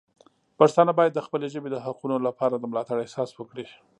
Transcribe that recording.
پښتانه باید د خپلې ژبې د حقونو لپاره د ملاتړ احساس وکړي.